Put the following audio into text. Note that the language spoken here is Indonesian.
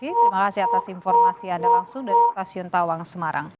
terima kasih atas informasi anda langsung dari stasiun tawang semarang